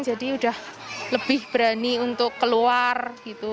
jadi udah lebih berani untuk keluar gitu